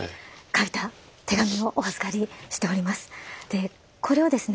でこれをですね